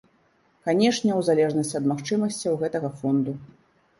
Канешне, у залежнасці ад магчымасцяў гэтага фонду.